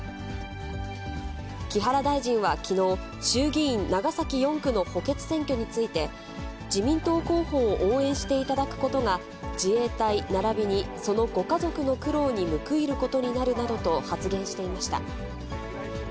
木原大臣はきのう、衆議院長崎４区の補欠選挙について、自民党候補を応援していただくことが、自衛隊ならびにそのご家族の苦労に報いることになるなどと発言していました。